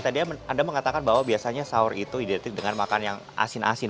tadi anda mengatakan bahwa biasanya sahur itu identik dengan makan yang asin asin